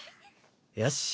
よし。